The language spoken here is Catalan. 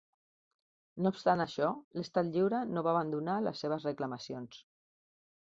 No obstant això, l'Estat Lliure no va abandonar les seves reclamacions.